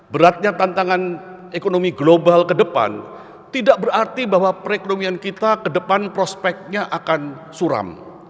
beratnya tantangan ekonomi global ke depan tidak berarti bahwa perekonomian kita ke depan prospeknya akan suram